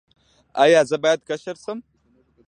ایا زه باید کشر شم؟